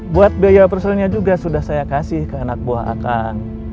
buat biaya personilnya juga sudah saya kasih ke anak buah akan